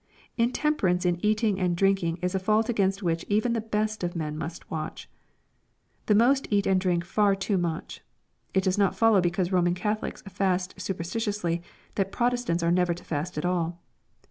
— Intem^ perance in eating and drinking is a fault against which even th« best of men must watch. The most eat and drink far too much It does not follow because Roman Catholics fast superstitioiisly that Protestants are never to fast at all.